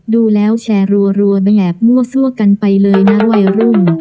ดูแล้วแชร์รัวไม่แอบมั่วซั่วกันไปเลยนะวัยรุ่น